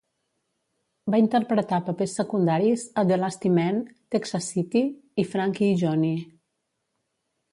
Va interpretar papers secundaris a "The Lusty Men", "Texas City" i "Frankie i Johnny".